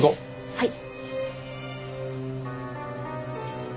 はい。